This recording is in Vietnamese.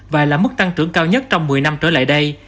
và là mức tăng trưởng cao nhất trong một mươi năm trở lại đây